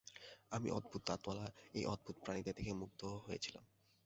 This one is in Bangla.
আমি অদ্ভুত দাঁতওয়ালা এই অদ্ভুত প্রাণীদের দেখে মুগ্ধ হয়েছিলাম।